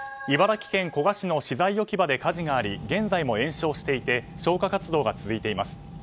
茨城県古河市の資材置き場で火事があり現在も延焼していて消火活動が続いています。